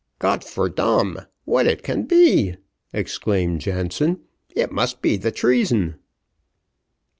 "Gott for dam, what it can be!" exclaimed Jansen. "It must be the treason."